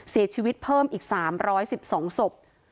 เสียชีวิตเพิ่มอีก๓๑๒ศพ